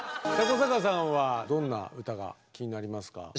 古坂さんはどんなうたが気になりますか？